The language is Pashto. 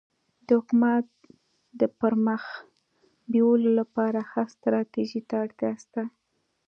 د حکومت د پرمخ بیولو لپاره ښه ستراتيژي ته اړتیا سته.